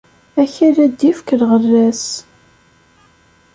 Akal ad d-ifk lɣella-s.